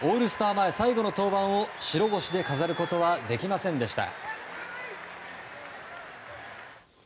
前、最後の登板を白星で飾ることはできませんでした。